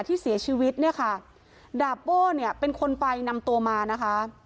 ที่เสียชีวิตเนี่ยค่ะดาบโบ้เนี่ยเป็นคนไปนำตัวมานะคะ